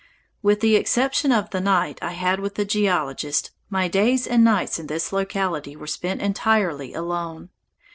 With the exception of the night I had the geologist, my days and nights in this locality were spent entirely alone.